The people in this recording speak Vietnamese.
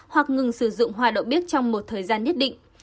hoặc ngừng sử dụng hoa đậu biếc trong một thời gian nhất định